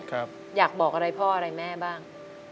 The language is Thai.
อยากบอกอะไรพ่ออะไรแม่บ้าง